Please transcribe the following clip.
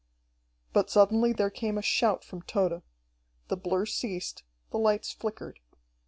But suddenly there came a shout from Tode. The blur ceased, the lights flickered.